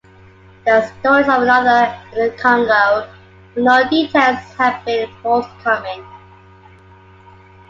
There are stories of another in the Congo, but no details have been forthcoming.